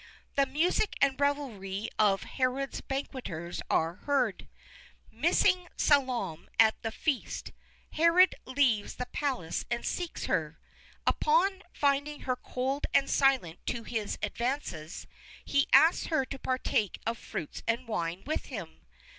The music and revelry of Herod's banqueters are heard. Missing Salome at the feast, Herod leaves the palace and seeks her. Upon finding her cold and silent to his advances, he asks her to partake of fruits and wine with him.